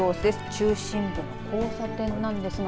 中心部の交差点なんですが。